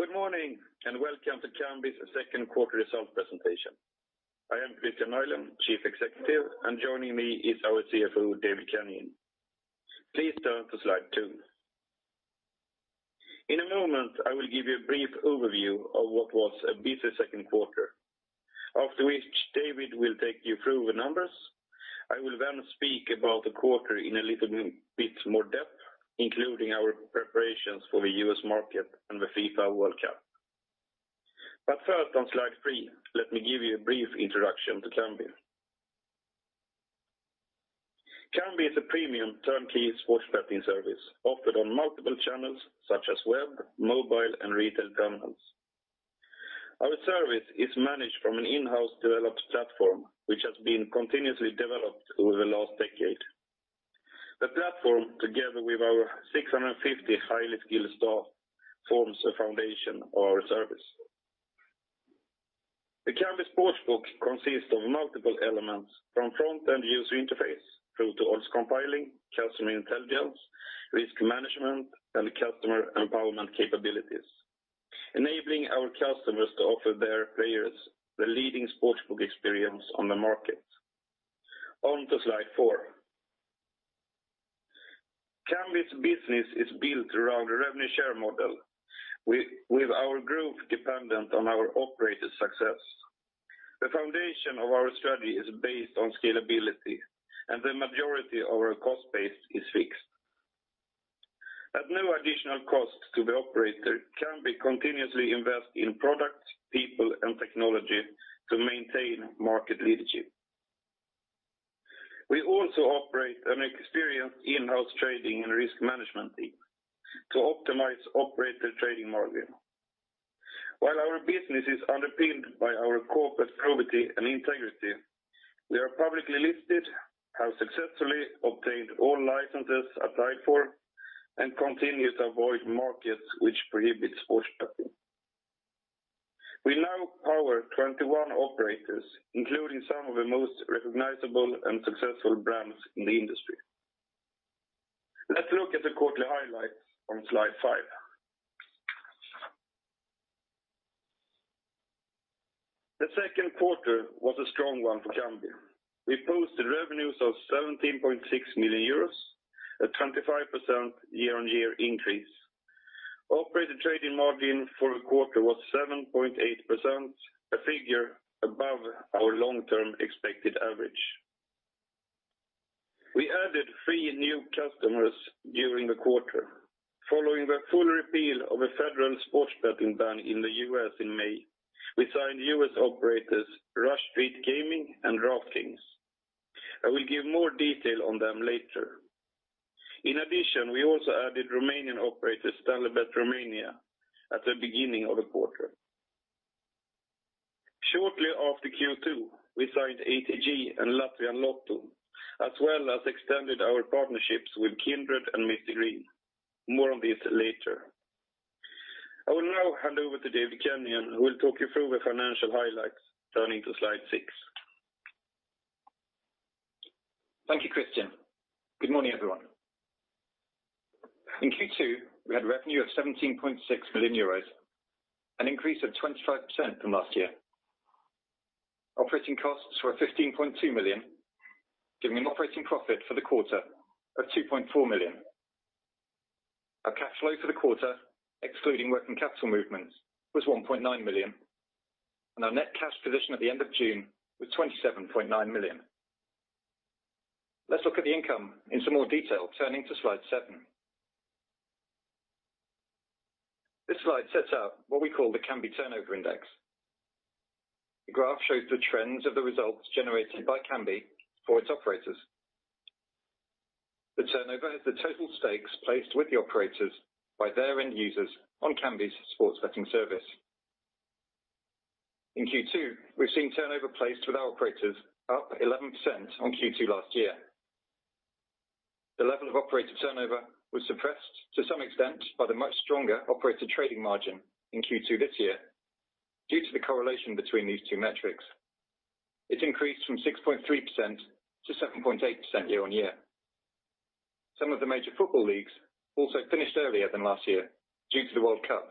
Good morning, welcome to Kambi's second quarter results presentation. I am Kristian Nylén, chief executive, and joining me is our CFO, David Kenyon. Please turn to slide two. In a moment, I will give you a brief overview of what was a busy second quarter, after which David will take you through the numbers. I will then speak about the quarter in a little bit more depth, including our preparations for the U.S. market and the FIFA World Cup. First, on slide three, let me give you a brief introduction to Kambi. Kambi is a premium turnkey sports betting service offered on multiple channels such as web, mobile, and retail terminals. Our service is managed from an in-house developed platform, which has been continuously developed over the last decade. The platform, together with our 650 highly skilled staff, forms the foundation of our service. The Kambi sports book consists of multiple elements, from front-end user interface through to odds compiling, customer intelligence, risk management, and customer empowerment capabilities, enabling our customers to offer their players the leading sports book experience on the market. On to slide four. Kambi's business is built around a revenue share model, with our growth dependent on our operators' success. The foundation of our strategy is based on scalability, the majority of our cost base is fixed. At no additional cost to the operator, Kambi continuously invest in products, people, and technology to maintain market leadership. We also operate an experienced in-house trading and risk management team to optimize operator trading margin. While our business is underpinned by our corporate probity and integrity, we are publicly listed, have successfully obtained all licenses applied for, and continue to avoid markets which prohibit sports betting. We now power 21 operators, including some of the most recognizable and successful brands in the industry. Let's look at the quarterly highlights on slide five. The second quarter was a strong one for Kambi. We posted revenues of 17.6 million euros, a 25% year-on-year increase. Operator trading margin for the quarter was 7.8%, a figure above our long-term expected average. We added three new customers during the quarter. Following the full repeal of a federal sports betting ban in the U.S. in May, we signed U.S. operators Rush Street Gaming and DraftKings. I will give more detail on them later. In addition, we also added Romanian operator Stanleybet Romania at the beginning of the quarter. Shortly after Q2, we signed ATG and Latvijas Loto, as well as extended our partnerships with Kindred and Mr Green. More on this later. I will now hand over to David Kenyon, who will talk you through the financial highlights, turning to slide six. Thank you, Kristian. Good morning, everyone. In Q2, we had revenue of €17.6 million, an increase of 25% from last year. Operating costs were 15.2 million, giving an operating profit for the quarter of 2.4 million. Our cash flow for the quarter, excluding working capital movements, was 1.9 million, and our net cash position at the end of June was 27.9 million. Let's look at the income in some more detail, turning to slide seven. This slide sets out what we call the Kambi Turnover Index. The graph shows the trends of the results generated by Kambi for its operators. The turnover is the total stakes placed with the operators by their end users on Kambi's sports betting service. In Q2, we've seen turnover placed with our operators up 11% on Q2 last year. The level of operator turnover was suppressed to some extent by the much stronger operator trading margin in Q2 this year, due to the correlation between these two metrics. It increased from 6.3%-7.8% year on year. Some of the major football leagues also finished earlier than last year due to the FIFA World Cup,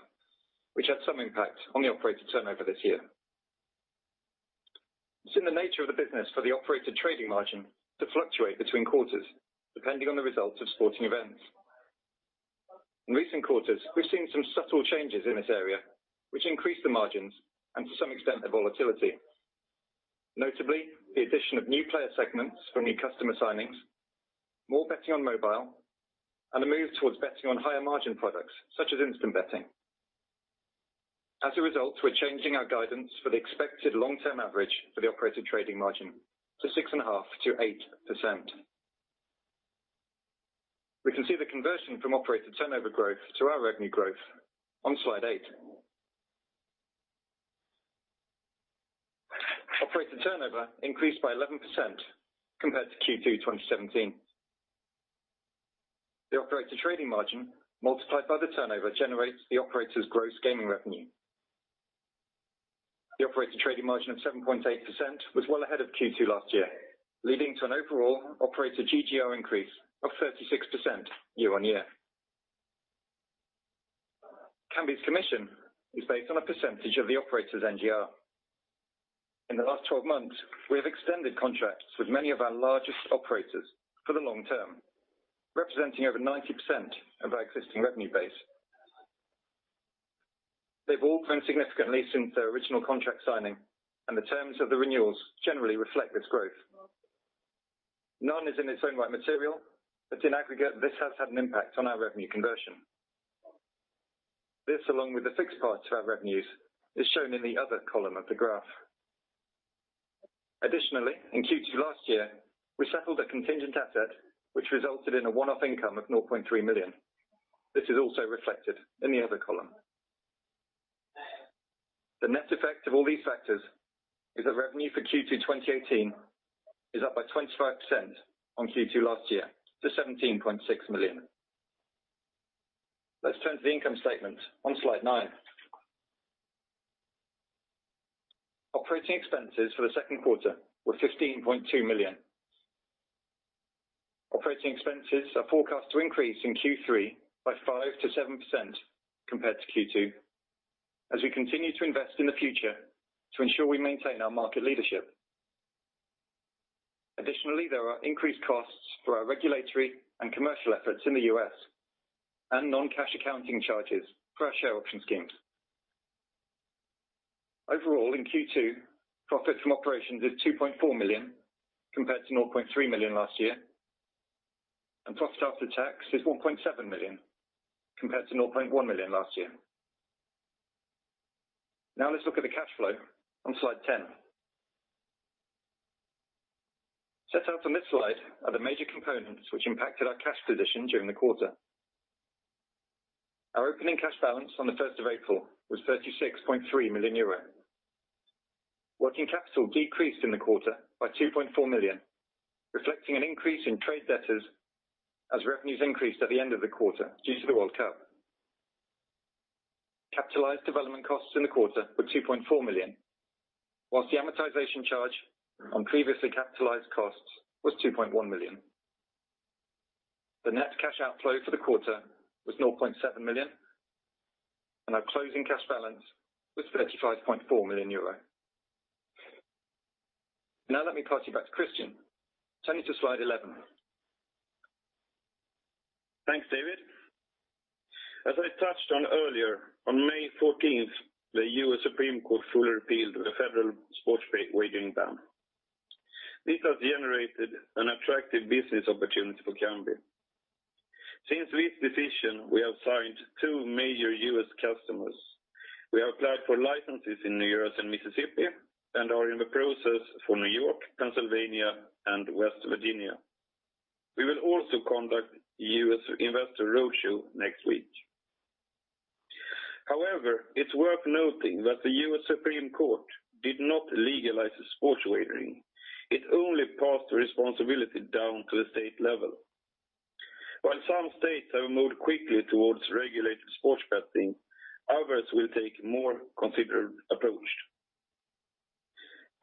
which had some impact on the operator turnover this year. It's in the nature of the business for the operator trading margin to fluctuate between quarters, depending on the results of sporting events. In recent quarters, we've seen some subtle changes in this area, which increased the margins and to some extent, the volatility. Notably, the addition of new player segments from new customer signings, more betting on mobile, and a move towards betting on higher margin products such as in-play betting. As a result, we're changing our guidance for the expected long-term average for the operator trading margin to 6.5%-8%. We can see the conversion from operator turnover growth to our revenue growth on slide eight. Operator turnover increased by 11% compared to Q2 2017. The operator trading margin, multiplied by the turnover, generates the operator's gross gaming revenue. The operator trading margin of 7.8% was well ahead of Q2 last year, leading to an overall operator GGR increase of 36% year on year. Kambi's commission is based on a percentage of the operator's NGR. In the last 12 months, we have extended contracts with many of our largest operators for the long term, representing over 90% of our existing revenue base. They've all grown significantly since their original contract signing, and the terms of the renewals generally reflect this growth. In aggregate, this has had an impact on our revenue conversion. This, along with the fixed parts of our revenues, is shown in the other column of the graph. Additionally, in Q2 last year, we settled a contingent asset which resulted in a one-off income of 0.3 million. This is also reflected in the other column. The net effect of all these factors is that revenue for Q2 2018 is up by 25% on Q2 last year to 17.6 million. Let's turn to the income statement on slide nine. Operating expenses for the second quarter were 15.2 million. Operating expenses are forecast to increase in Q3 by 5%-7% compared to Q2 as we continue to invest in the future to ensure we maintain our market leadership. Additionally, there are increased costs for our regulatory and commercial efforts in the U.S. and non-cash accounting charges for our share option schemes. Overall, in Q2, profit from operations is 2.4 million compared to 0.3 million last year, and profit after tax is 1.7 million compared to 0.1 million last year. Let's look at the cash flow on slide 10. Set out on this slide are the major components which impacted our cash position during the quarter. Our opening cash balance on the 1st of April was 36.3 million euro. Working capital decreased in the quarter by 2.4 million, reflecting an increase in trade debtors as revenues increased at the end of the quarter due to the World Cup. Capitalized development costs in the quarter were 2.4 million, whilst the amortization charge on previously capitalized costs was 2.1 million. The net cash outflow for the quarter was 0.7 million, and our closing cash balance was 35.4 million euro. Let me pass you back to Kristian. Turning to slide 11. Thanks, David. As I touched on earlier, on May 14th, the U.S. Supreme Court fully repealed the federal sports betting ban. This has generated an attractive business opportunity for Kambi. Since this decision, we have signed two major U.S. customers. We have applied for licenses in New York and Mississippi and are in the process for New York, Pennsylvania, and West Virginia. We will also conduct U.S. investor roadshow next week. It's worth noting that the U.S. Supreme Court did not legalize sports wagering. It only passed the responsibility down to the state level. While some states have moved quickly towards regulated sports betting, others will take a more considered approach.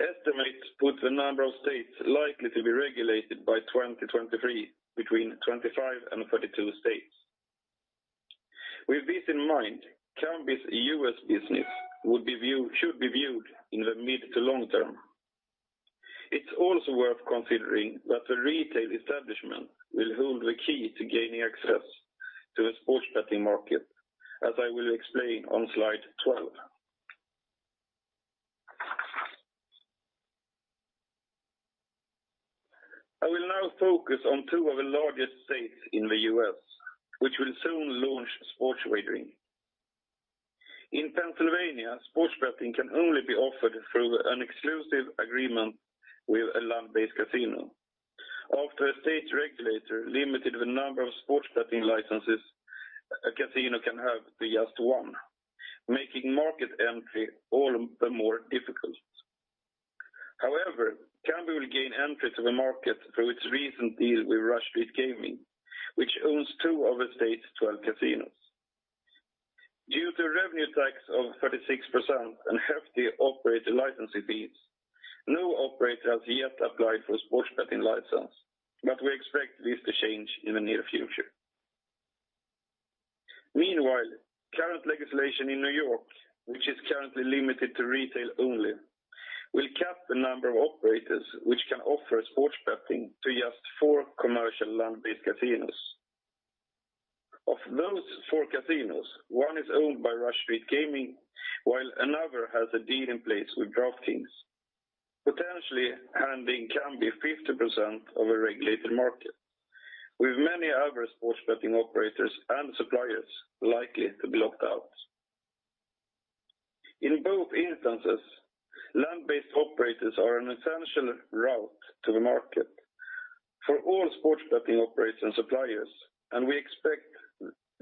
Estimates put the number of states likely to be regulated by 2023 between 25 and 32 states. With this in mind, Kambi's U.S. business should be viewed in the mid to long term. It's also worth considering that the retail establishment will hold the key to gaining access to the sports betting market, as I will explain on slide 12. I will focus on two of the largest states in the U.S., which will soon launch sports wagering. In Pennsylvania, sports betting can only be offered through an exclusive agreement with a land-based casino. After a state regulator limited the number of sports betting licenses a casino can have to just one, making market entry all the more difficult. Kambi will gain entry to the market through its recent deal with Rush Street Gaming, which owns two of the state's 12 casinos. Due to revenue tax of 36% and hefty operator licensing fees, no operator has yet applied for a sports betting license, but we expect this to change in the near future. Meanwhile, current legislation in New York, which is currently limited to retail only, will cap the number of operators which can offer sports betting to just four commercial land-based casinos. Of those four casinos, one is owned by Rush Street Gaming, while another has a deal in place with DraftKings, potentially handing Kambi 50% of a regulated market, with many other sports betting operators and suppliers likely to be locked out. In both instances, land-based operators are an essential route to the market for all sports betting operators and suppliers, and we expect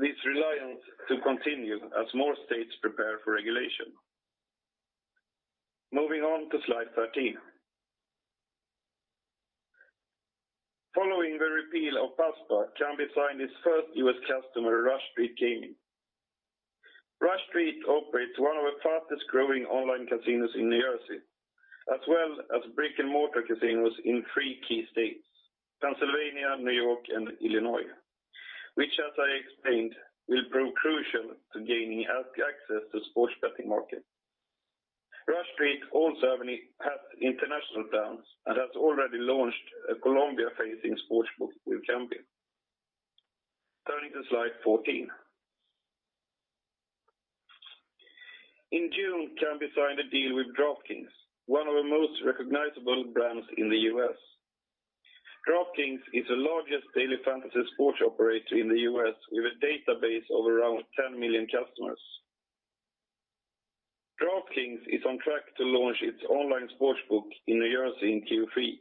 this reliance to continue as more states prepare for regulation. Moving on to slide 13. Following the repeal of PASPA, Kambi signed its first U.S. customer, Rush Street Gaming. Rush Street operates one of the fastest-growing online casinos in New Jersey, as well as brick-and-mortar casinos in three key states, Pennsylvania, New York, and Illinois, which as I explained, will prove crucial to gaining access to sports betting markets. Rush Street also has international plans and has already launched a Colombia-facing sportsbook with Kambi. Turning to slide 14. In June, Kambi signed a deal with DraftKings, one of the most recognizable brands in the U.S. DraftKings is the largest daily fantasy sports operator in the U.S. with a database of around 10 million customers. DraftKings is on track to launch its online sportsbook in New Jersey in Q3,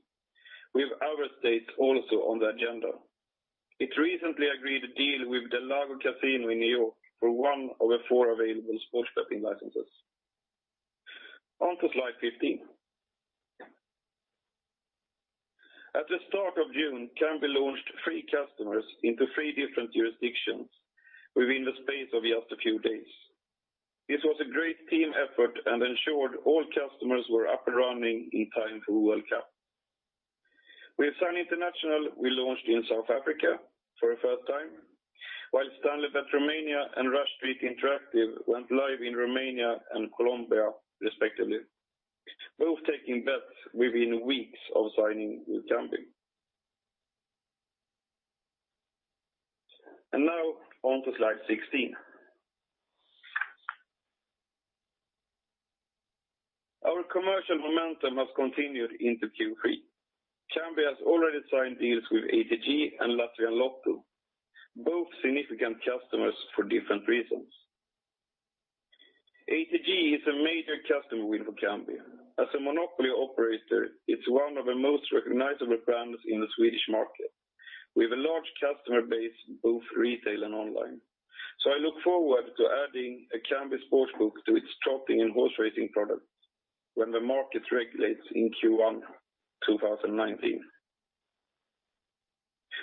with other states also on the agenda. It recently agreed a deal with the del Lago Casino in New York for one of the four available sports betting licenses. On to slide 15. At the start of June, Kambi launched three customers into three different jurisdictions within the space of just a few days. This was a great team effort and ensured all customers were up and running in time for the World Cup. With Sun International, we launched in South Africa for the first time, while Stanleybet Romania and Rush Street Interactive went live in Romania and Colombia respectively, both taking bets within weeks of signing with Kambi. Now, on to slide 16. Our commercial momentum has continued into Q3. Kambi has already signed deals with ATG and Latvijas Loto, both significant customers for different reasons. ATG is a major customer win for Kambi. As a monopoly operator, it's one of the most recognizable brands in the Swedish market with a large customer base, both retail and online. I look forward to adding a Kambi sportsbook to its trotting and horse racing products when the market regulates in Q1 2019.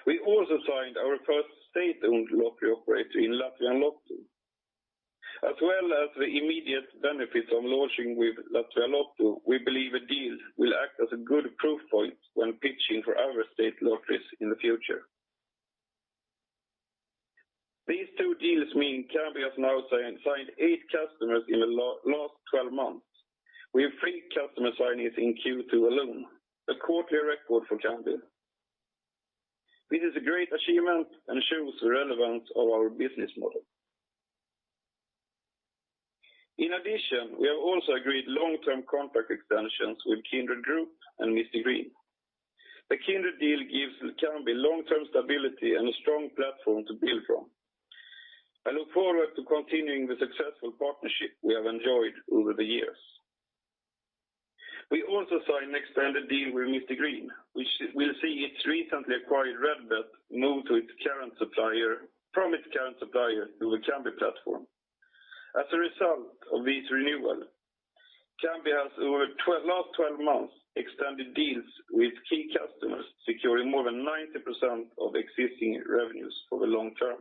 We also signed our first state-owned lottery operator in Latvijas Loto. As well as the immediate benefits of launching with Latvijas Loto, we believe the deal will act as a good proof point when pitching for other state lotteries in the future. These two deals mean Kambi has now signed eight customers in the last 12 months, with three customer signings in Q2 alone, a quarterly record for Kambi. This is a great achievement and shows the relevance of our business model. In addition, we have also agreed long-term contract extensions with Kindred Group and Mr Green. The Kindred deal gives Kambi long-term stability and a strong platform to build from. I look forward to continuing the successful partnership we have enjoyed over the years. We also signed an extended deal with Mr Green, which will see its recently acquired Redbet move from its current supplier to the Kambi platform. As a result of this renewal, Kambi has over the last 12 months extended deals with key customers, securing more than 90% of existing revenues for the long term.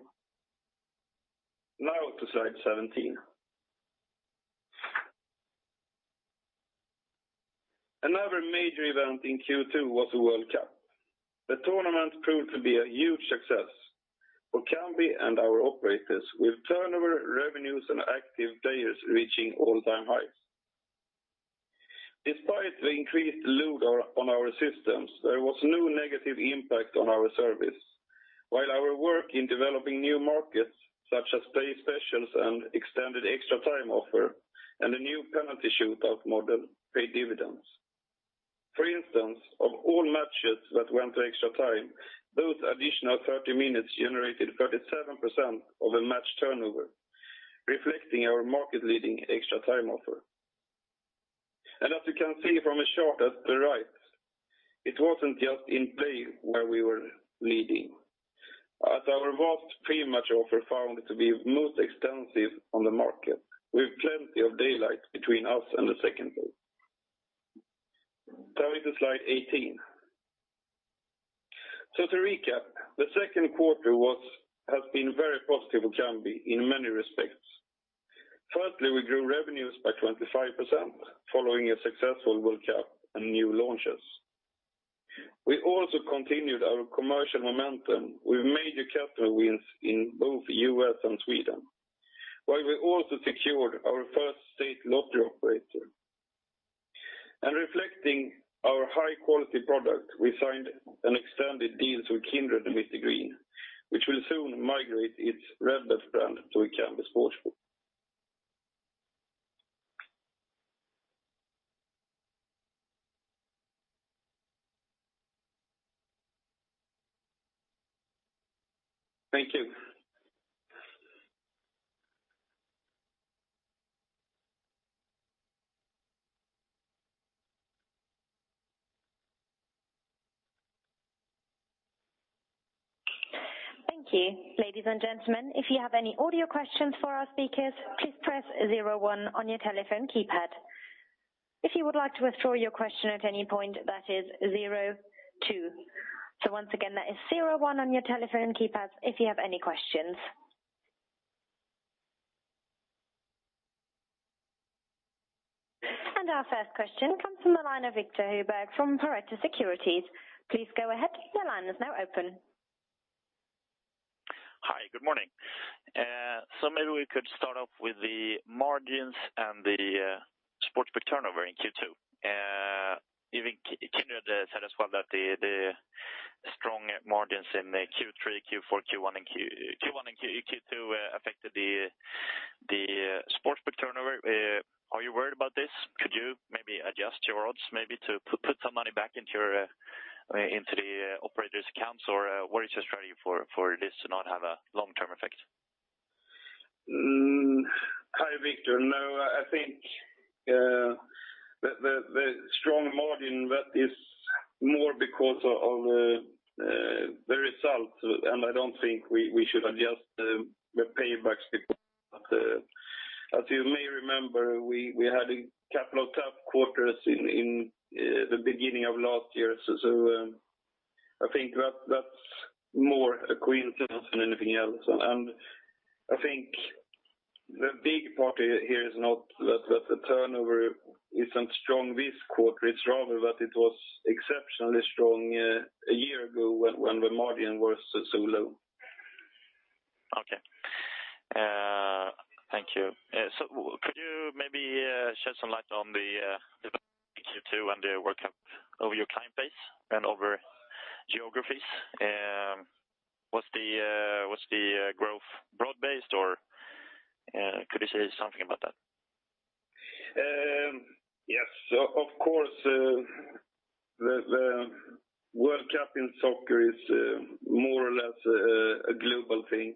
Now to slide 17. Another major event in Q2 was the World Cup. The tournament proved to be a huge success for Kambi and our operators, with turnover, revenues, and active players reaching all-time highs. Despite the increased load on our systems, there was no negative impact on our service. While our work in developing new markets, such as in-play specials and extended extra time offer and a new penalty shootout model, paid dividends. For instance, of all matches that went to extra time, those additional 30 minutes generated 37% of the match turnover, reflecting our market-leading extra time offer. As you can see from the chart at the right, it wasn't just in-play where we were leading. As our vast pre-match offer found to be most extensive on the market, with plenty of daylight between us and the second place. Into slide 18. To recap, the second quarter has been very positive for Kambi in many respects. Firstly, we grew revenues by 25% following a successful World Cup and new launches. We also continued our commercial momentum with major customer wins in both U.S. and Sweden, while we also secured our first state lottery operator. Reflecting our high-quality product, we signed and extended deals with Kindred and Mr Green, which will soon migrate its Redbet brand to a Kambi sportsbook. Thank you. Thank you. Ladies and gentlemen, if you have any audio questions for our speakers, please press zero one on your telephone keypad. If you would like to withdraw your question at any point, that is zero two. Once again, that is zero one on your telephone keypads if you have any questions. Our first question comes from the line of Viktor Högberg from Pareto Securities. Please go ahead. Your line is now open. Hi, good morning. Maybe we could start off with the margins and the sportsbook turnover in Q2. Even Kindred said as well that the strong margins in Q3, Q4, Q1, and Q2 affected the sportsbook turnover. Are you worried about this? Could you maybe adjust your odds, maybe to put some money back into the operators' accounts? What is your strategy for this to not have a long-term effect? Hi, Viktor. I think the strong margin, that is more because of the results, I don't think we should adjust the paybacks as you may remember, we had a couple of tough quarters in the beginning of last year. I think that's more a coincidence than anything else. I think the big part here is not that the turnover isn't strong this quarter. It's rather that it was exceptionally strong a year ago when the margin was so low. Okay. Thank you. Could you maybe shed some light on the Q2 and the World Cup over your client base and over geographies? Was the growth broad-based, or could you say something about that? Of course, the World Cup in soccer is more or less a global thing.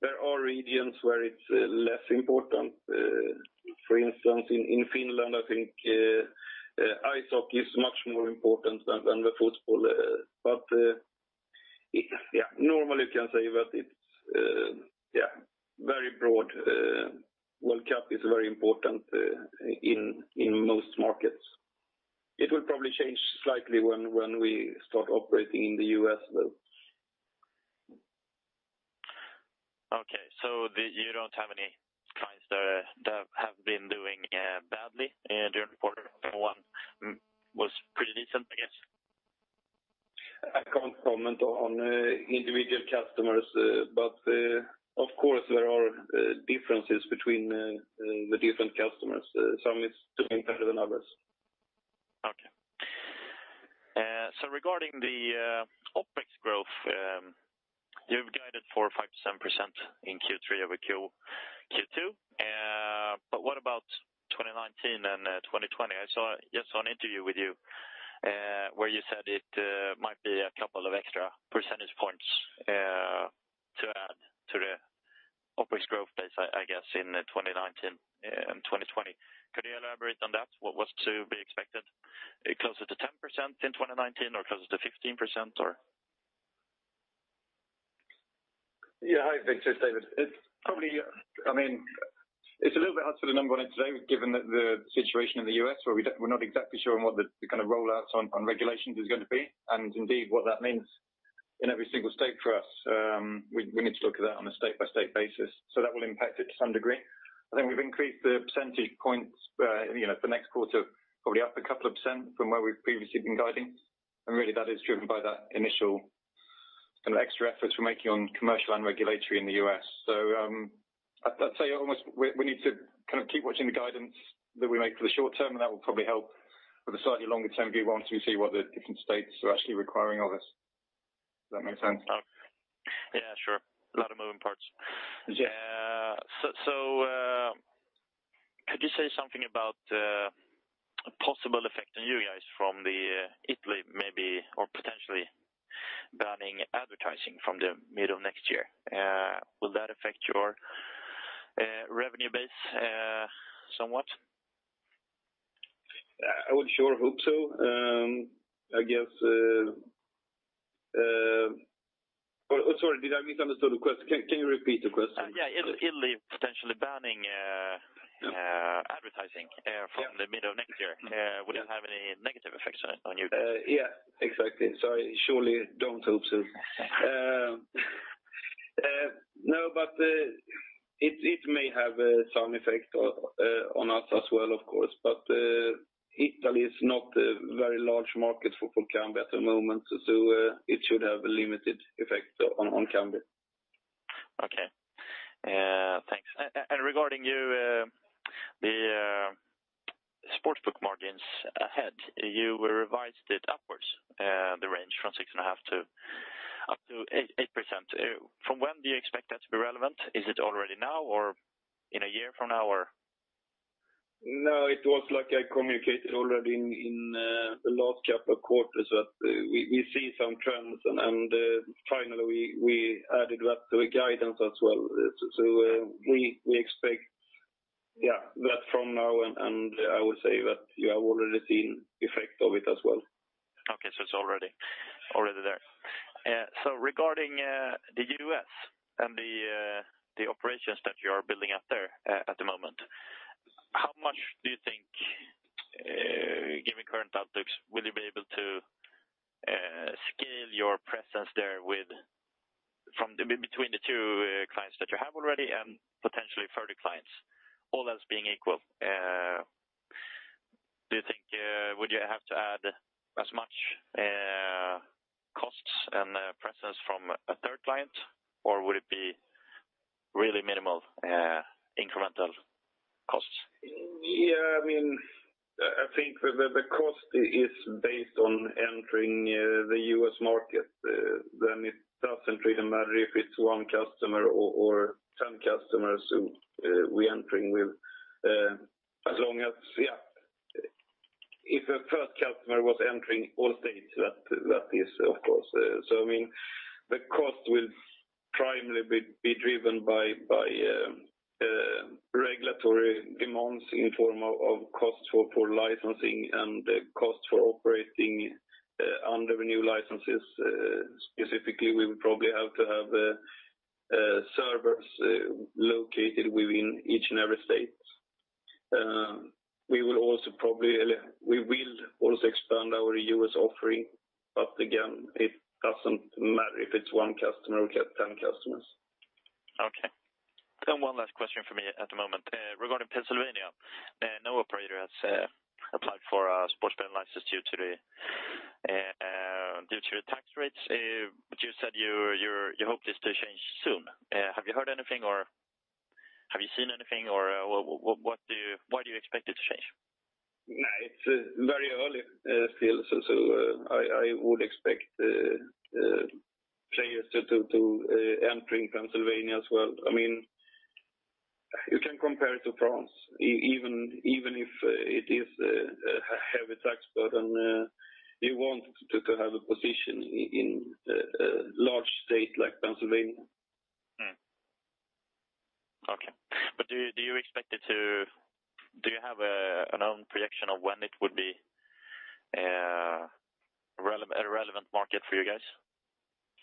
There are regions where it's less important. For instance, in Finland, I think ice hockey is much more important than the football. Normally you can say that it's very broad. World Cup is very important in most markets. It will probably change slightly when we start operating in the U.S., though. Okay, you don't have any clients that have been doing badly during the quarter? One was pretty decent, I guess. I can't comment on individual customers, but of course, there are differences between the different customers. Some is doing better than others. Okay. Regarding the OpEx growth, you've guided for 5% in Q3 over Q2. What about 2019 and 2020? I saw just one interview with you, where you said it might be a couple of extra percentage points to add to the OpEx growth base, I guess, in 2019 and 2020. Could you elaborate on that? What's to be expected? Closer to 10% in 2019, or closer to 15% or? Yeah. Hi, Viktor. It's David. It's a little bit hard to put a number on it today given the situation in the U.S. where we're not exactly sure on what the kind of rollouts on regulations is going to be and indeed what that means in every single state for us. We need to look at that on a state-by-state basis. That will impact it to some degree. I think we've increased the percentage points for the next quarter probably up a couple of % from where we've previously been guiding, and really that is driven by that initial kind of extra efforts we're making on commercial and regulatory in the U.S. I'd say almost we need to kind of keep watching the guidance that we make for the short term, and that will probably help with a slightly longer-term view once we see what the different states are actually requiring of us. Does that make sense? Yeah, sure. A lot of moving parts. Yeah. Could you say something about a possible effect on you guys from Italy maybe, or potentially banning advertising from the middle of next year? Will that affect your revenue base somewhat? I would sure hope so. Sorry, did I misunderstand the question? Can you repeat the question? Yeah. Italy potentially banning advertising from the middle of next year. Will it have any negative effects on you? Yeah, exactly. Sorry. Surely don't hope so. It may have some effect on us as well, of course. Italy is not a very large market for Kambi at the moment. It should have a limited effect on Kambi. Okay. Thanks. Regarding the sportsbook margins ahead, you revised it upwards the range from 6.5%-8%. From when do you expect that to be relevant? Is it already now or in a year from now or? It was like I communicated already in the last couple of quarters that we see some trends. Finally we added that to the guidance as well. We expect Yeah, that from now. I would say that you have already seen effect of it as well. Okay. It's already there. Regarding the U.S. and the operations that you are building up there at the moment, how much do you think, given current outlooks, will you be able to scale your presence there between the two clients that you have already and potentially further clients, all else being equal? Do you think would you have to add as much costs and presence from a third client? Would it be really minimal incremental costs? Yeah. I think the cost is based on entering the U.S. market, then it doesn't really matter if it's one customer or 10 customers who we entering with. As long as, if a first customer was entering all states, that is, of course. The cost will primarily be driven by regulatory demands in form of cost for licensing and the cost for operating under new licenses. Specifically, we would probably have to have servers located within each and every state. We will also expand our U.S. offering, again, it doesn't matter if it's one customer or 10 customers. Okay. One last question from me at the moment. Regarding Pennsylvania, no operator has applied for a sports betting license due to the tax rates. You said your hope is to change soon. Have you heard anything or have you seen anything, or why do you expect it to change? No, it's very early still. I would expect players to entering Pennsylvania as well. You can compare it to France, even if it is a heavy tax burden, you want to have a position in large state like Pennsylvania. Okay. Do you have an own projection of when it would be a relevant market for you guys?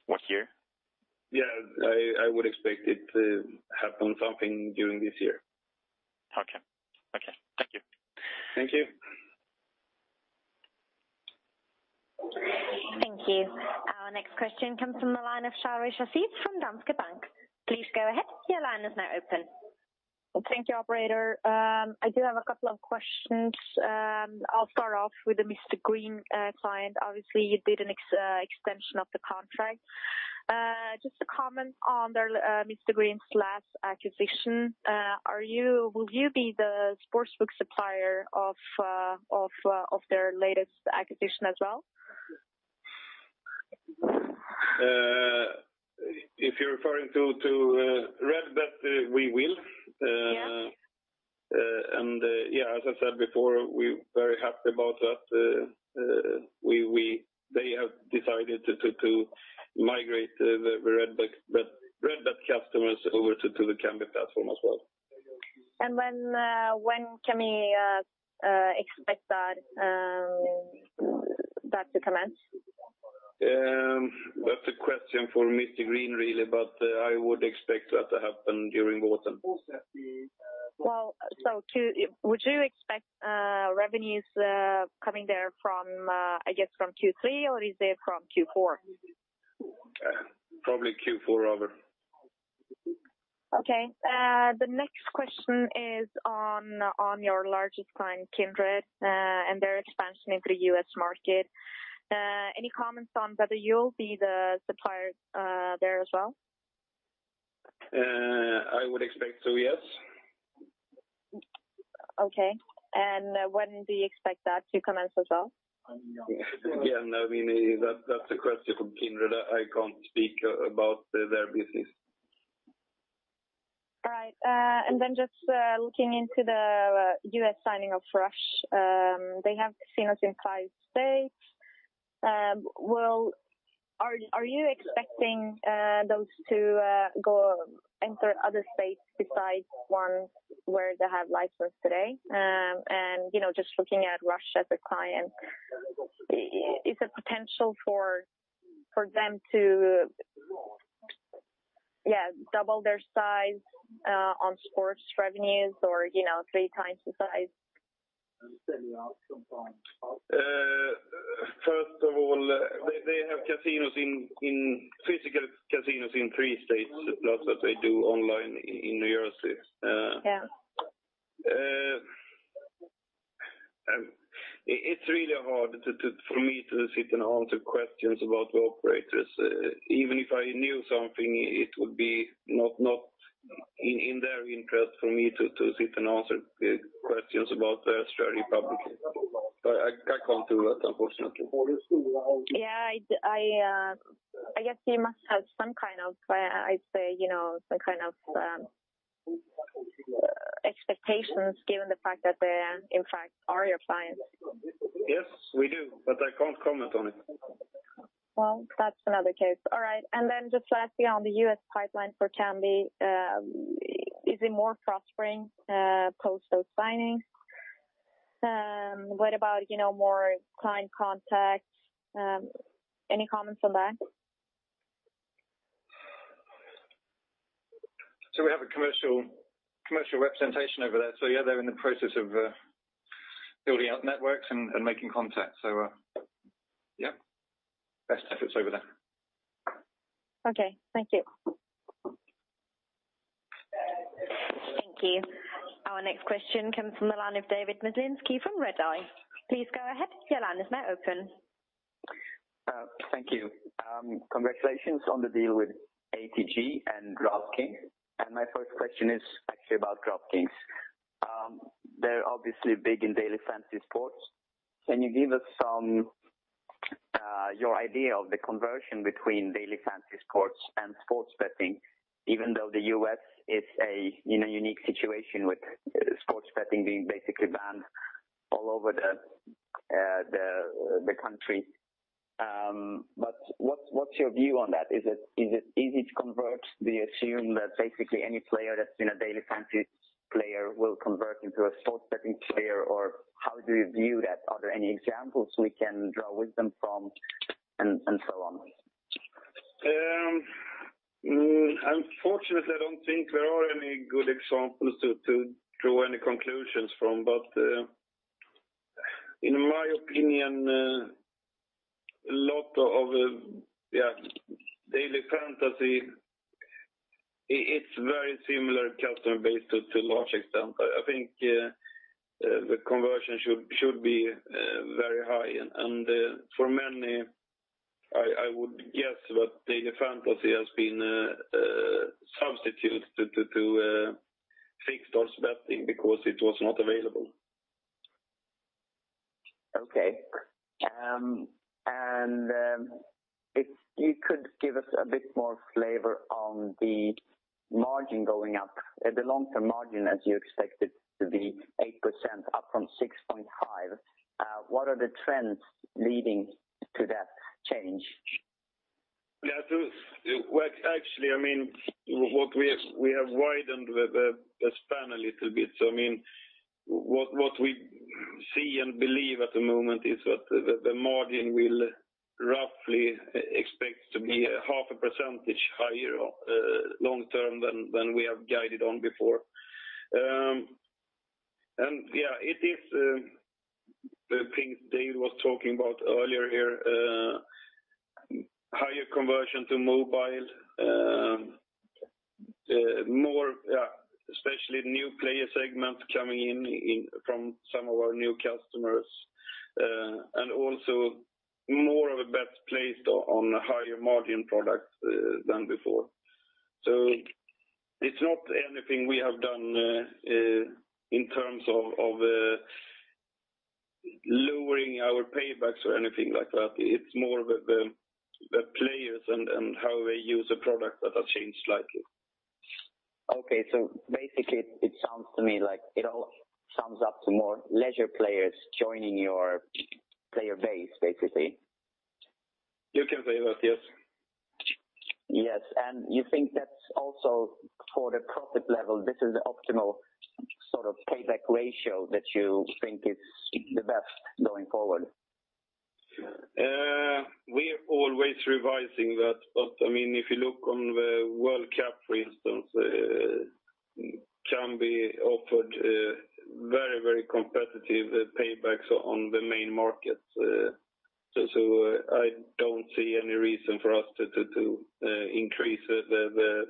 What year? Yeah. I would expect it to happen something during this year. Okay. Thank you. Thank you. Thank you. Our next question comes from the line of Shari Shahsi from Danske Bank. Please go ahead. Your line is now open. Thank you, operator. I do have a couple of questions. I'll start off with the Mr Green client. Obviously, you did an extension of the contract. Just to comment on Mr Green's last acquisition. Will you be the sportsbook supplier of their latest acquisition as well? If you're referring to Redbet, we will. Yeah. As I said before, we're very happy about that. They have decided to migrate the Redbet customers over to the Kambi platform as well. When can we expect that to commence? That's a question for Mr Green, really. I would expect that to happen during autumn. Would you expect revenues coming there from, I guess from Q3, or is it from Q4? Probably Q4 over. Okay. The next question is on your largest client, Kindred, and their expansion into the U.S. market. Any comments on whether you'll be the supplier there as well? I would expect so, yes. Okay. When do you expect that to commence as well? Again, that's a question for Kindred. I can't speak about their business. All right. Then just looking into the U.S. signing of Rush. They have casinos in five states. Are you expecting those to go enter other states besides ones where they have license today? Just looking at Rush as a client, is the potential for them to double their size on sports revenues or three times the size? First of all, they have physical casinos in three states, plus that they do online in New Jersey. Yeah. It's really hard for me to sit and answer questions about the operators. Even if I knew something, it would be not in their interest for me to sit and answer questions about their strategy publicly. I can't do that, unfortunately. Yeah. I guess you must have some kind of expectations given the fact that they, in fact, are your clients. Yes, we do. I can't comment on it. Well, that's another case. All right, just lastly on the U.S. pipeline for Kambi, is it more prospering post those signings? What about more client contacts? Any comments on that? We have a commercial representation over there. Yeah, they're in the process of building out networks and making contacts. Yep. Best efforts over there. Okay. Thank you. Thank you. Our next question comes from the line of David Madeling from Redeye. Please go ahead. Your line is now open. Thank you. Congratulations on the deal with ATG and DraftKings. My first question is actually about DraftKings. They're obviously big in daily fantasy sports. Can you give us your idea of the conversion between daily fantasy sports and sports betting, even though the U.S. is in a unique situation with sports betting being basically banned all over the country. What's your view on that? Is it easy to convert? Do you assume that basically any player that's been a daily fantasy player will convert into a sports betting player? Or how do you view that? Are there any examples we can draw wisdom from and so on? Unfortunately, I don't think there are any good examples to draw any conclusions from. In my opinion, a lot of the daily fantasy, it's very similar customer base to [Logic sample]. I think the conversion should be very high and for many, I would guess that daily fantasy has been a substitute to fixed odds betting because it was not available. Okay. If you could give us a bit more flavor on the margin going up. The long-term margin as you expect it to be 8% up from 6.5%. What are the trends leading to that change? Yeah, actually, we have widened the span a little bit. What we see and believe at the moment is that the margin we'll roughly expect to be half a percent higher long term than we have guided on before. Yeah, it is the things David was talking about earlier here, higher conversion to mobile, especially new player segment coming in from some of our new customers. Also more of a bet placed on a higher margin product than before. It's not anything we have done in terms of lowering our paybacks or anything like that. It's more the players and how they use the product that have changed slightly. Okay. Basically it sounds to me like it all sums up to more leisure players joining your player base. You can say that, yes. Yes. You think that's also for the profit level, this is the optimal sort of payback ratio that you think is the best going forward? We are always revising that, but if you look on the World Cup, for instance, Kambi offered very competitive paybacks on the main markets. I don't see any reason for us to increase the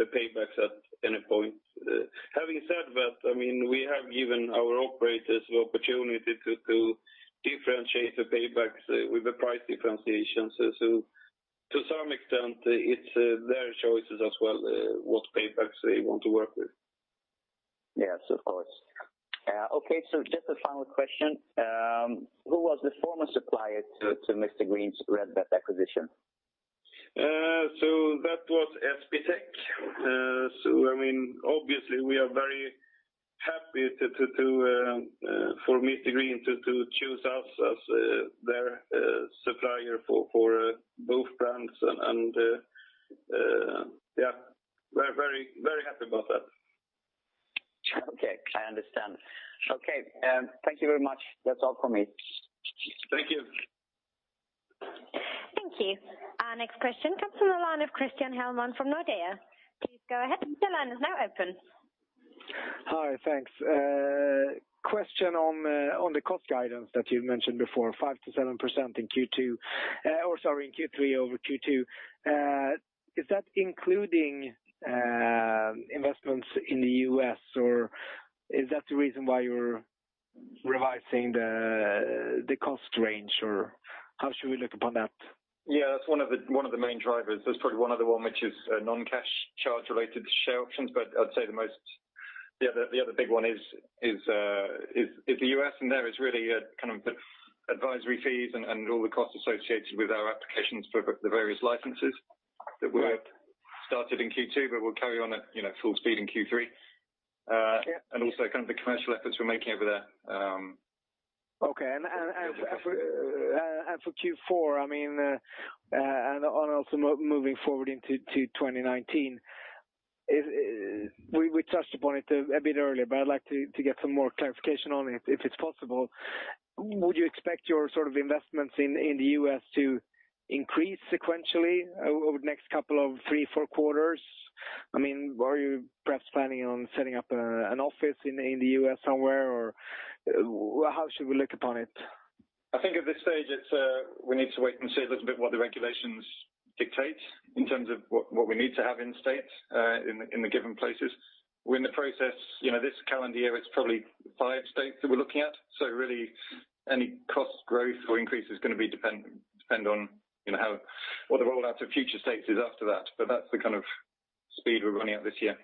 paybacks at any point. Having said that, we have given our operators the opportunity to differentiate the paybacks with the price differentiation. To some extent, it's their choices as well, what paybacks they want to work with. Yes, of course. Okay, just a final question. Who was the former supplier to Mr Green's Redbet acquisition? That was SBTech. Obviously we are very happy for Mr Green to choose us as their supplier for both brands and yeah, very happy about that. Okay, I understand. Okay, thank you very much. That's all from me. Thank you. Thank you. Our next question comes from the line of Christian Hellman from Nordea. Please go ahead. Your line is now open. Hi, thanks. Question on the cost guidance that you mentioned before, 5%-7% in Q2, or sorry, in Q3 over Q2. Is that including investments in the U.S., or is that the reason why you're revising the cost range, or how should we look upon that? Yeah, that's one of the main drivers. There's probably one other one which is non-cash charge related to share options, but I'd say the other big one is the U.S., and there it's really kind of the advisory fees and all the costs associated with our applications for the various licenses. Started in Q2, we'll carry on at full speed in Q3. Yeah. Also the commercial efforts we're making over there. Okay. For Q4, also moving forward into 2019, we touched upon it a bit earlier, but I'd like to get some more clarification on it if it's possible. Would you expect your sort of investments in the U.S. to increase sequentially over the next couple of three, four quarters? Are you perhaps planning on setting up an office in the U.S. somewhere, or how should we look upon it? I think at this stage, we need to wait and see a little bit what the regulations dictate in terms of what we need to have in states, in the given places. We're in the process, this calendar year, it's probably five states that we're looking at. Really any cost growth or increase is going to depend on what the rollout to future states is after that, but that's the kind of speed we're running at this year.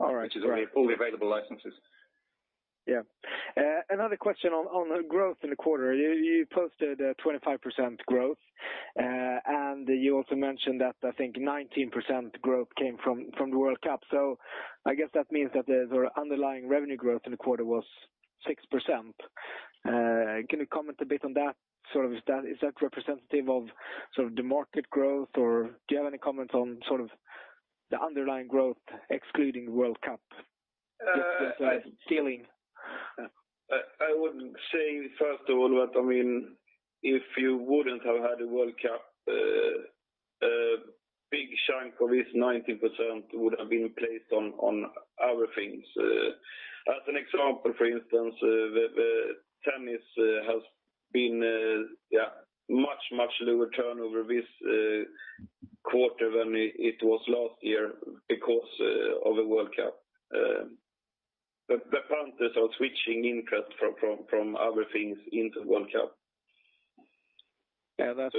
All right. Which is all the available licenses. Another question on the growth in the quarter. You posted a 25% growth, and you also mentioned that I think 19% growth came from the World Cup. I guess that means that the underlying revenue growth in the quarter was 6%. Can you comment a bit on that? Is that representative of the market growth, or do you have any comments on the underlying growth excluding World Cup stealing? I would say, first of all, that if you wouldn't have had a World Cup, a big chunk of this 19% would have been placed on other things. As an example, for instance, tennis has been much lower turnover this quarter than it was last year because of the World Cup. The punters are switching interest from other things into the World Cup. Yeah, that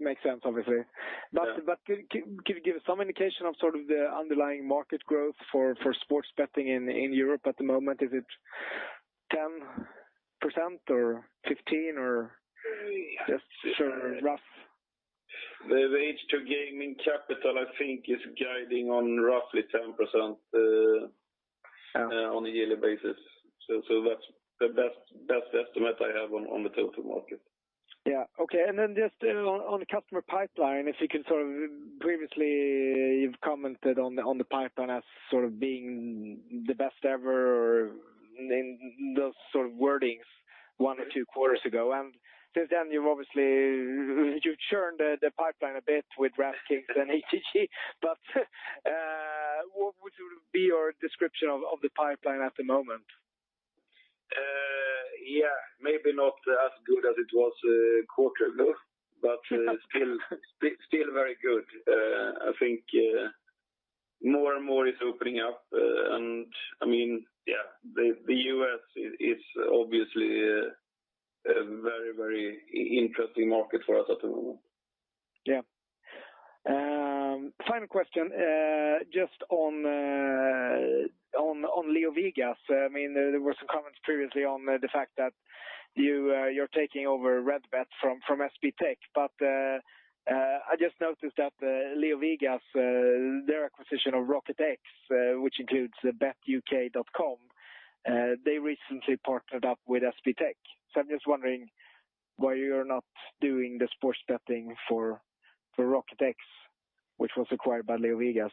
makes sense, obviously. Yeah. Can you give some indication of sort of the underlying market growth for sports betting in Europe at the moment? Is it 10% or 15% or just sort of rough? The H2 Gambling Capital, I think, is guiding on roughly 10% on a yearly basis. That's the best estimate I have on the total market. Yeah. Okay. Then just on the customer pipeline, previously you've commented on the pipeline as sort of being the best ever in those sort of wordings one or two quarters ago. Since then you've churned the pipeline a bit with DraftKings and ATG, what would be your description of the pipeline at the moment? Yeah, maybe not as good as it was a quarter ago, but still very good. I think more and more is opening up and the U.S. is obviously a very interesting market for us at the moment. Yeah. Final question, just on LeoVegas. There were some comments previously on the fact that you're taking over Redbet from SBTech, but I just noticed that LeoVegas, their acquisition of Rocket X, which includes betuk.com, they recently partnered up with SBTech. So I'm just wondering why you're not doing the sports betting for Rocket X, which was acquired by LeoVegas.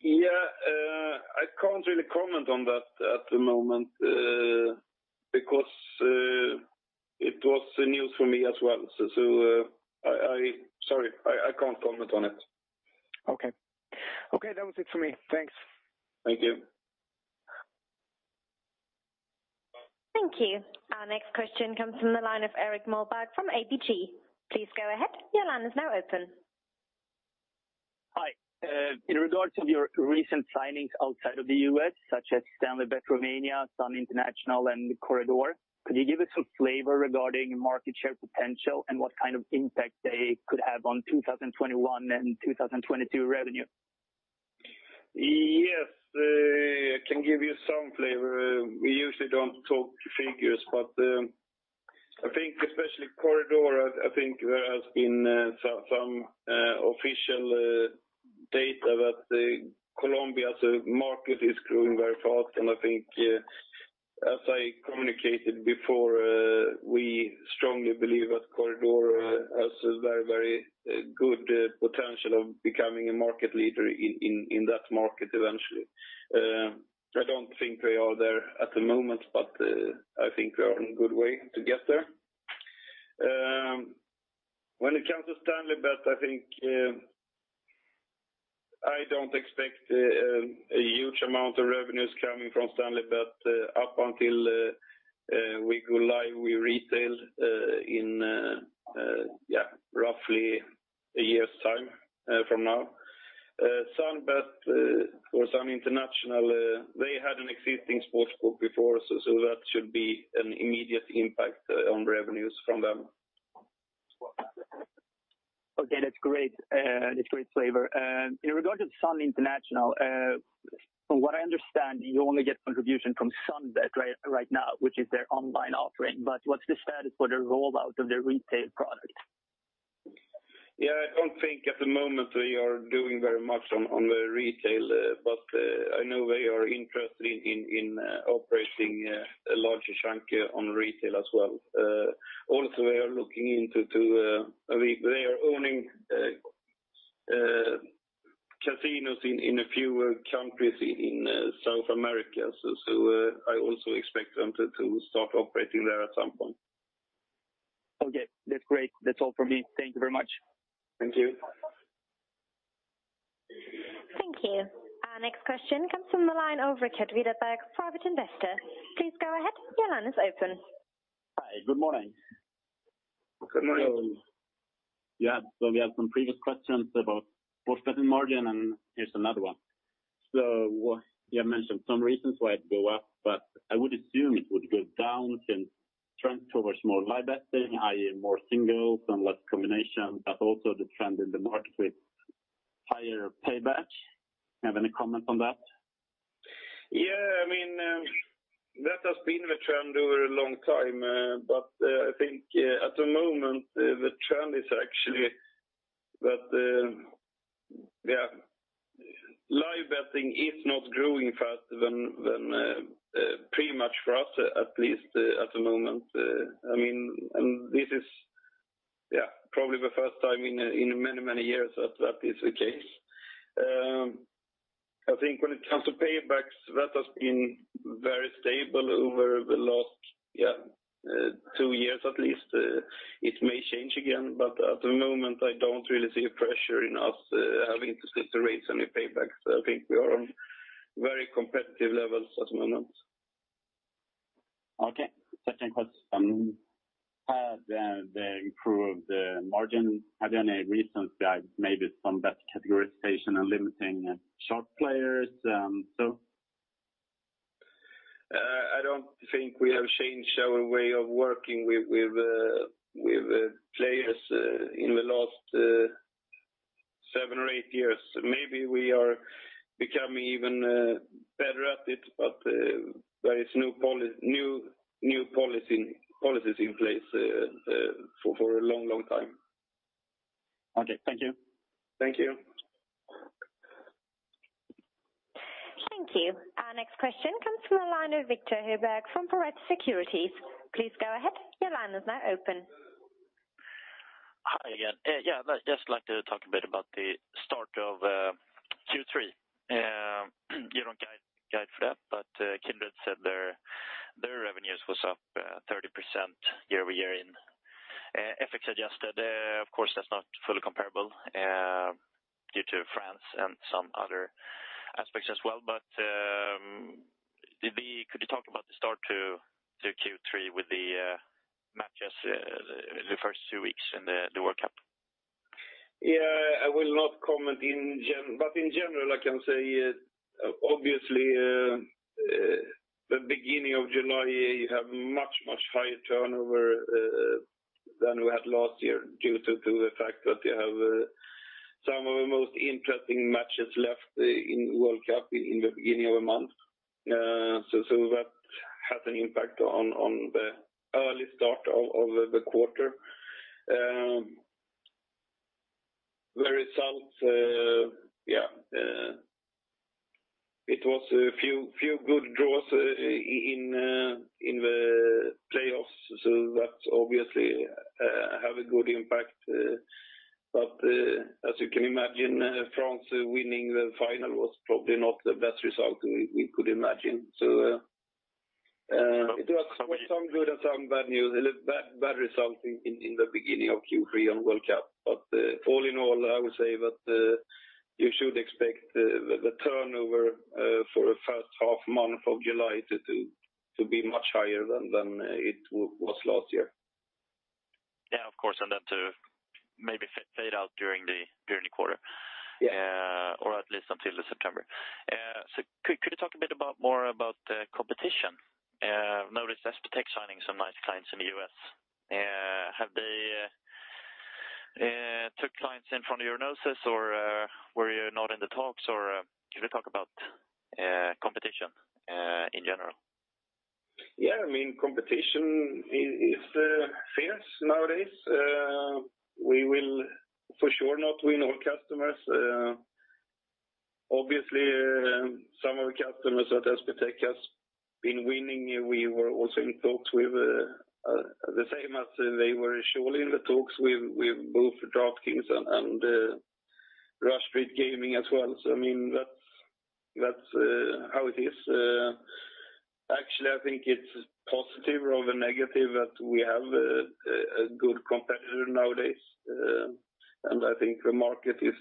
Yeah. I can't really comment on that at the moment because it was news for me as well. Sorry, I can't comment on it. Okay. That was it for me. Thanks. Thank you. Thank you. Our next question comes from the line of Erik Lögdberg from ABG. Please go ahead. Your line is now open. Hi. In regards to your recent signings outside of the U.S., such as Stanleybet Romania, Sun International, and Corredor Empresarial, could you give us some flavor regarding market share potential and what kind of impact they could have on 2021 and 2022 revenue? Yes. I can give you some flavor. We usually don't talk figures, but I think especially Corredor Empresarial, I think there has been some official data that Colombia as a market is growing very fast, and I think as I communicated before, we strongly believe that Corredor Empresarial has a very good potential of becoming a market leader in that market eventually. I don't think they are there at the moment, but I think they are on a good way to get there. When it comes to Stanleybet, I think I don't expect a huge amount of revenues coming from Stanleybet up until we go live with retail in roughly a year's time from now. SunBet or Sun International, they had an existing sportsbook before, so that should be an immediate impact on revenues from them. Okay, that's great flavor. In regard to Sun International, from what I understand, you only get contribution from SunBet right now, which is their online offering. What's the status for the rollout of their retail product? Yeah, I don't think at the moment we are doing very much on the retail. I know they are interested in operating a larger chunk on retail as well. They are owning casinos in a few countries in South America. I also expect them to start operating there at some point. Okay. That's great. That's all from me. Thank you very much. Thank you. Thank you. Our next question comes from the line of Richard Widerberg, Private Investor. Please go ahead. Your line is open. Hi, good morning. Good morning. We had some previous questions about sports betting margin. Here's another one. You have mentioned some reasons why it go up, I would assume it would go down in trend towards more live betting, i.e., more singles and less combination. Also the trend in the market with higher payback. You have any comment on that? Yeah, that has been the trend over a long time. I think at the moment, the trend is actually that, in-play betting is not growing faster than pretty much for us, at least at the moment. This is probably the first time in many years that that is the case. I think when it comes to paybacks, that has been very stable over the last two years, at least. It may change again, but at the moment, I don't really see a pressure in us having to consider raising any paybacks. I think we are on very competitive levels at the moment. Okay. Second question. On the improved margin, have there any reasons that maybe some better categorization and limiting sharp players? I don't think we have changed our way of working with players in the last seven or eight years. Maybe we are becoming even better at it, there is new policies in place for a long time. Okay. Thank you. Thank you. Thank you. Our next question comes from the line of Viktor Hörgberg from Pareto Securities. Please go ahead. Your line is now open. Hi again. I'd just like to talk a bit about the start of Q3. You don't guide for that, Kindred said their revenues was up 30% year-over-year in FX adjusted. Of course, that's not fully comparable due to France and some other aspects as well. Could you talk about the start to Q3 with the matches the first two weeks in the World Cup? I will not comment, in general, I can say, obviously, the beginning of July, you have much, much higher turnover than we had last year due to the fact that you have some of the most interesting matches left in World Cup in the beginning of the month. That has an impact on the early start of the quarter. The results, it was a few good draws in the playoffs. That obviously have a good impact, as you can imagine, France winning the final was probably not the best result we could imagine. It was some good and some bad results in the beginning of Q3 on World Cup. All in all, I would say that you should expect the turnover for the first half month of July to be much higher than it was last year. Yeah, of course. That to maybe fade out during the quarter. Yeah. At least until September. Could you talk a bit more about competition? I've noticed SBTech signing some nice clients in the U.S. Have they took clients in front of your noses, or were you not in the talks, or could you talk about competition in general? Yeah, competition is fierce nowadays. We will for sure not win all customers. Obviously, some of the customers that SBTech has been winning, we were also in talks with the same as they were surely in the talks with both DraftKings and Rush Street Gaming as well. That's how it is. Actually, I think it's positive rather than negative that we have a good competitor nowadays. I think the market is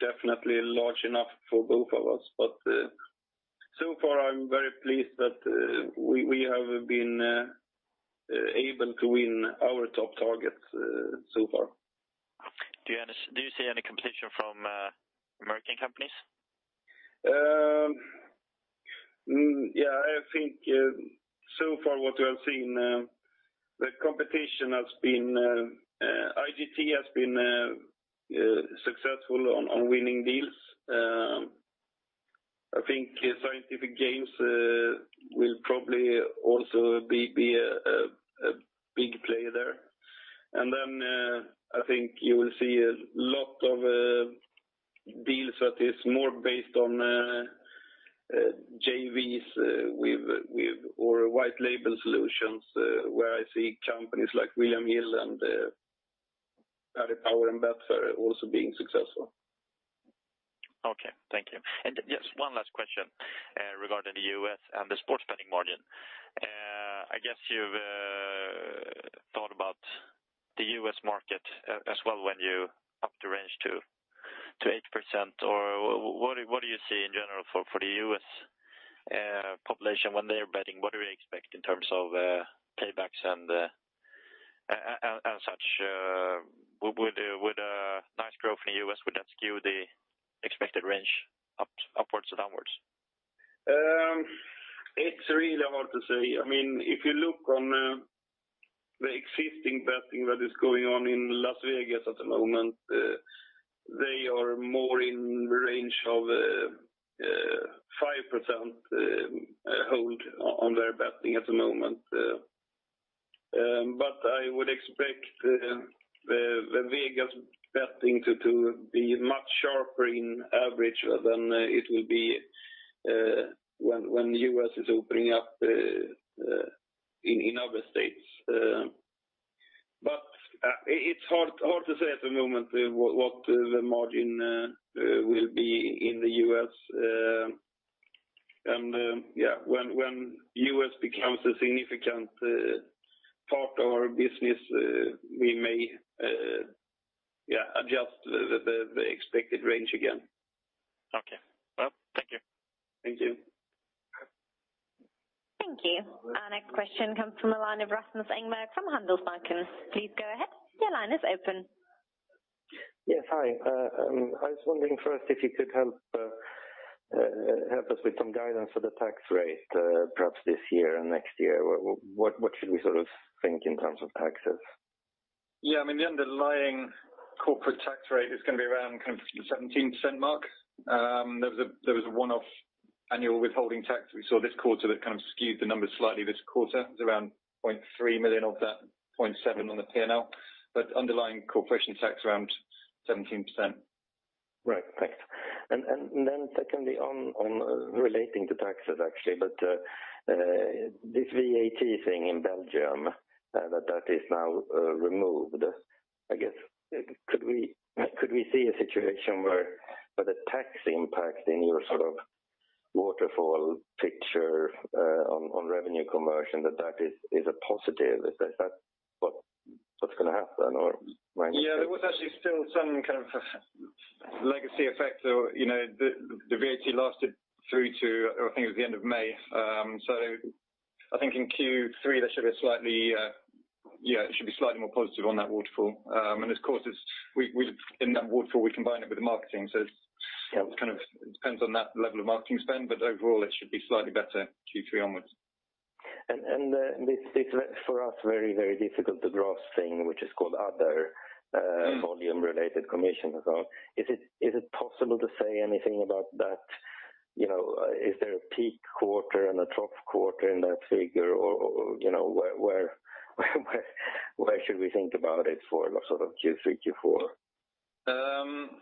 definitely large enough for both of us. But so far, I'm very pleased that we have been able to win our top targets so far. Do you see any competition from American companies? Yeah, I think so far what we have seen, the competition has been. IGT has been successful on winning deals. I think Scientific Games will probably also be a big player there. Then I think you will see a lot of deals that is more based on JVs with or white label solutions, where I see companies like William Hill and Paddy Power and Betfair also being successful. Okay. Thank you. Just one last question regarding the U.S. and the sports betting margin. I guess you've thought about the U.S. market as well when you up the range to 8%, or what do you see in general for the U.S. population when they're betting? What do we expect in terms of paybacks and such? With nice growth in the U.S., would that skew the expected range upwards or downwards? It's really hard to say. If you look on the existing betting that is going on in Las Vegas at the moment, they are more in range of 5% hold on their betting at the moment. I would expect the Vegas betting to be much sharper in average than it will be when U.S. is opening up in other states. It's hard to say at the moment what the margin will be in the U.S. When U.S. becomes a significant part of our business, we may adjust the expected range again. Okay. Well, thank you. Thank you. Thank you. Our next question comes from the line of Rasmus Engberg from Handelsbanken. Please go ahead. Your line is open. Yes. Hi. I was wondering first if you could help us with some guidance for the tax rate perhaps this year and next year. What should we sort of think in terms of taxes? Yeah, the underlying corporate tax rate is going to be around 17% mark. There was a one-off annual withholding tax we saw this quarter that kind of skewed the numbers slightly this quarter. It was around 0.3 million of that, 0.7 on the P&L, but underlying corporation tax around 17%. Right. Thanks. Secondly on relating to taxes, actually, this VAT thing in Belgium that is now removed. I guess could we see a situation where the tax impact in your sort of waterfall picture on revenue conversion that is a positive? Is that what's going to happen or minus? There was actually still some kind of legacy effect. The VAT lasted through to, I think it was the end of May. I think in Q3 there should be a slightly more positive on that waterfall. Of course in that waterfall, we combine it with the marketing. It kind of depends on that level of marketing spend, but overall it should be slightly better Q3 onwards. This for us very difficult to grasp thing, which is called other volume related commission as well. Is it possible to say anything about that? Is there a peak quarter and a trough quarter in that figure, or where should we think about it for sort of Q3, Q4?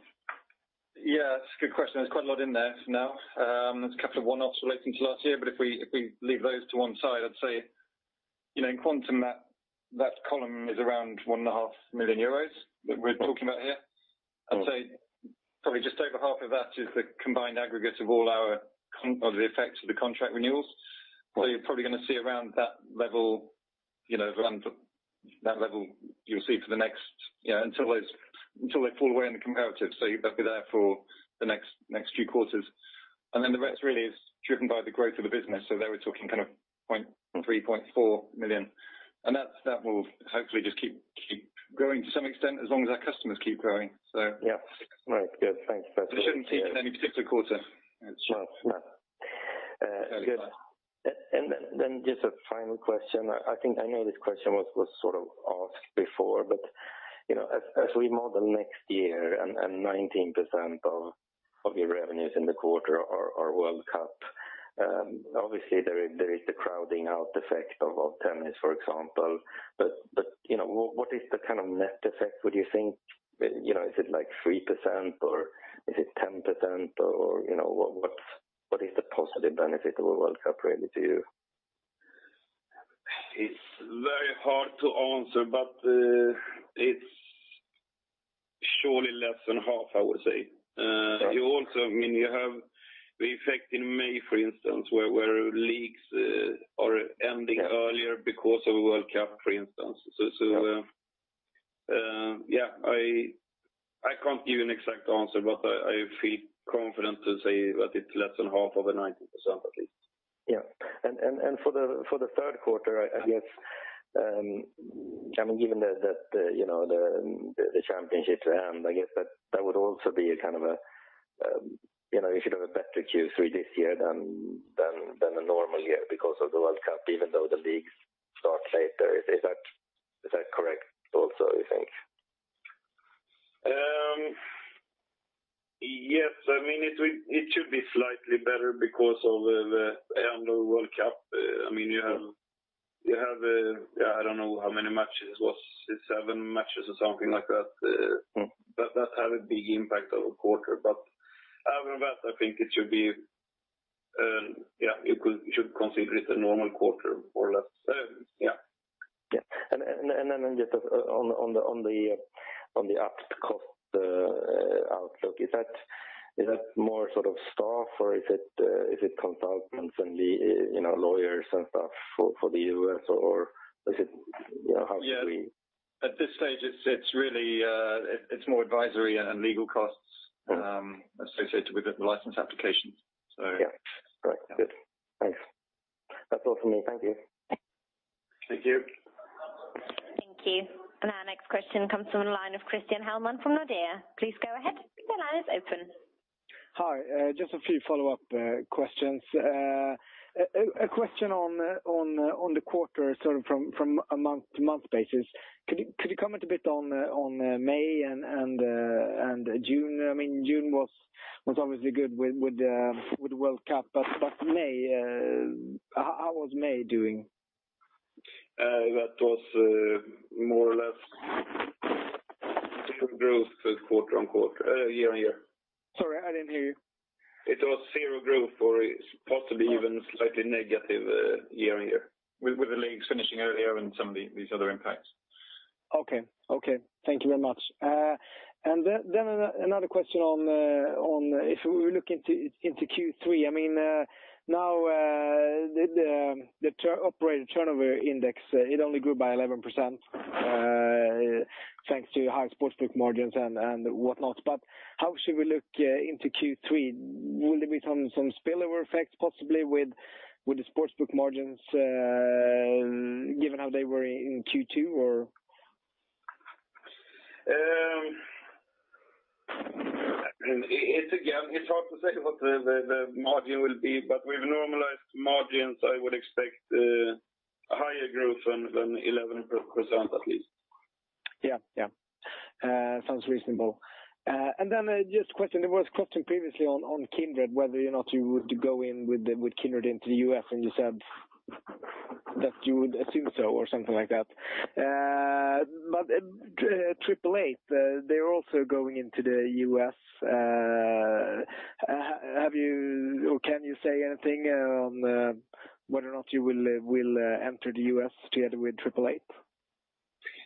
That's a good question. There's quite a lot in there for now. There's a couple of one-offs relating to last year, if we leave those to one side, I'd say in quantum that column is around 1.5 million euros that we're talking about here. I'd say probably just over half of that is the combined aggregate of all our or the effects of the contract renewals. What you're probably going to see around that level you'll see for the next, until they fall away in the comparatives. They'll be there for the next few quarters. The rest really is driven by the growth of the business. There we're talking kind of 0.3 million, EUR 0.4 million. That will hopefully just keep growing to some extent as long as our customers keep growing. Yeah. Right. Good. Thanks. That's. We shouldn't see it in any particular quarter. No. Good. That's right. Just a final question. I know this question was sort of asked before, but as we model next year, 19% of your revenues in the quarter are FIFA World Cup, obviously there is the crowding out effect of tennis, for example. What is the kind of net effect would you think? Is it like 3% or is it 10% or what is the positive benefit of a FIFA World Cup really to you? It's very hard to answer, but it's surely less than half, I would say. You also have the effect in May, for instance, where leagues are ending earlier because of FIFA World Cup, for instance. Yeah, I can't give you an exact answer, but I feel confident to say that it's less than half of the 19% at least. Yeah. For the third quarter, I guess given that the championships end, I guess that would also be a kind of a, you should have a better Q3 this year than a normal year because of the FIFA World Cup, even though the leagues start later. Is that correct also, you think? Yes, it should be slightly better because of the annual FIFA World Cup. You have, I don't know how many matches it was, seven matches or something like that. That had a big impact on the quarter. Other than that, I think you should consider it a normal quarter, more or less. Yeah. Yeah. Just on the OpEx cost outlook, is that more sort of staff, or is it consultants and lawyers and stuff for the U.S.? Or how should we- Yeah. At this stage, it's more advisory and legal costs associated with the license applications. Yeah. Right. Good. Thanks. That's all from me. Thank you. Thank you. Thank you. Our next question comes from the line of Christian Hellman from Nordea. Please go ahead. The line is open. Hi. Just a few follow-up questions. A question on the quarter, sort of from a month-to-month basis. Could you comment a bit on May and June? June was obviously good with the World Cup. May, how was May doing? That was more or less zero growth quarter on quarter, year on year. Sorry, I did not hear you. It was zero growth or possibly even slightly negative year-on-year. With the leagues finishing earlier and some of these other impacts. Okay. Thank you very much. Then another question on if we look into Q3. Now, the Kambi Turnover Index, it only grew by 11% thanks to high sportsbook margins and whatnot. How should we look into Q3? Will there be some spillover effects possibly with the sportsbook margins, given how they were in Q2, or? It's hard to say what the margin will be. With normalized margins, I would expect a higher growth than 11% at least. Yeah. Sounds reasonable. Just a question, it was questioned previously on Kindred, whether or not you would go in with Kindred into the U.S., and you said that you would assume so or something like that. 888, they're also going into the U.S. Have you, or can you say anything on whether or not you will enter the U.S. together with 888?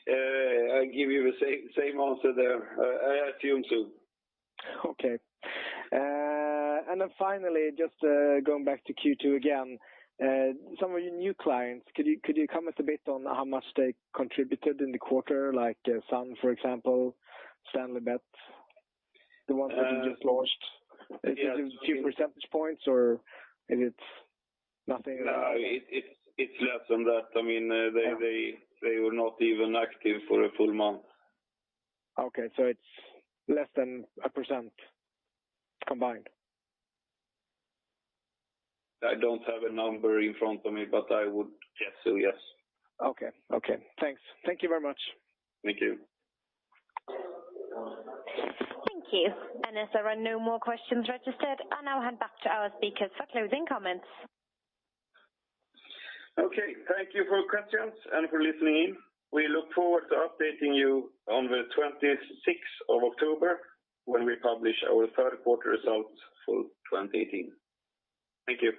I'll give you the same answer there. I assume so. Okay. Finally, just going back to Q2 again, some of your new clients, could you comment a bit on how much they contributed in the quarter, like Sun, for example, Stanleybet, the ones that you just launched? Yes. Is it a few percentage points, or is it nothing? No, it's less than that. They were not even active for a full month. It's less than a % combined? I don't have a number in front of me, I would guess so, yes. Okay. Thanks. Thank you very much. Thank you. Thank you. As there are no more questions registered, I now hand back to our speakers for closing comments. Okay, thank you for questions and for listening in. We look forward to updating you on the 26th of October when we publish our third quarter results for 2018. Thank you.